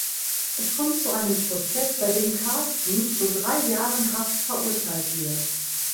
Es kommt zu einem Prozess bei dem Karsten zu drei Jahren Haft verurteilt wird.